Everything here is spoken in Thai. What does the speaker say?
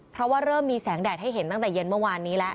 เพราะว่าเริ่มมีแสงแดดให้เห็นตั้งแต่เย็นเมื่อวานนี้แล้ว